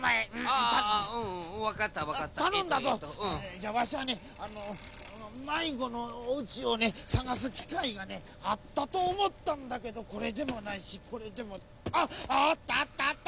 じゃあわしはねまいごのおうちをねさがすきかいがねあったとおもったんだけどこれでもないしこれでもないあっあったあったあった！